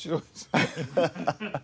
アハハハハ。